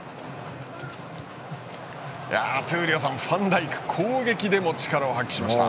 闘莉王さん、ファンダイクは攻撃でも力を発揮しました。